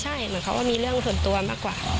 ใช่เหมือนเขาก็มีเรื่องส่วนตัวมากกว่า